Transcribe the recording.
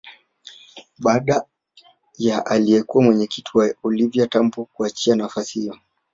Baada ya aliyekuwa mwenyekiti wake Oliva Tambo kuachia nafasi hiyo